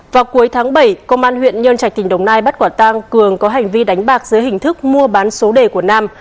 vào cuối tháng bảy công an huyện nhân trạch tỉnh đồng nai bắt quả tang cường có hành vi đánh bạc dưới hình thức mua bán số đề của nam